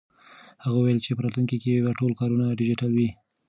هغه وویل چې په راتلونکي کې به ټول کارونه ډیجیټل وي.